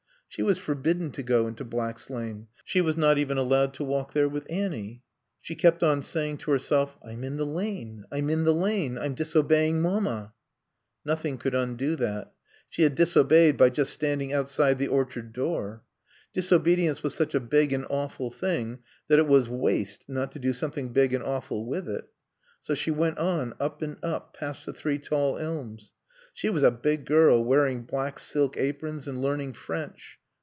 She was forbidden to go into Black's Lane; she was not even allowed to walk there with Annie. She kept on saying to herself: "I'm in the lane. I'm in the lane. I'm disobeying Mamma." Nothing could undo that. She had disobeyed by just standing outside the orchard door. Disobedience was such a big and awful thing that it was waste not to do something big and awful with it. So she went on, up and up, past the three tall elms. She was a big girl, wearing black silk aprons and learning French.